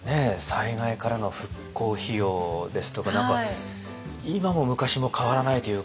災害からの復興費用ですとか何か今も昔も変わらないというか。